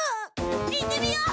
行ってみよう！